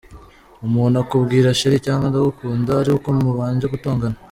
umuntu akubwira cheri cg Ndagukunda ari uko mubanje gutongana.